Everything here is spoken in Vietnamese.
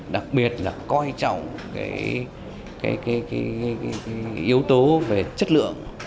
đặc biệt là coi trọng cái yếu tố về chất lượng